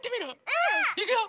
うん！いくよ！